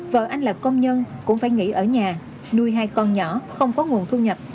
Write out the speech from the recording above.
vợ anh là công nhân cũng phải nghỉ ở nhà nuôi hai con nhỏ không có nguồn thu nhập